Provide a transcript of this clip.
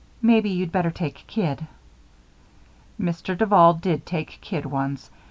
Maybe you'd better take kid." Mr. Duval did take kid ones.